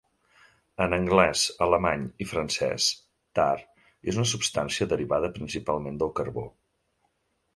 En anglès, alemany i francès, "tar" és una substància derivada principalment del carbó.